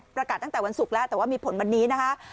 ตั้งแต่วันศุกร์แล้วแต่ว่ามีผลวันนี้นะคะ